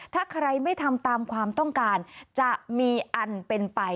ถ้าใครไม่ทำตามความต้องการจะมีอันเป็นไป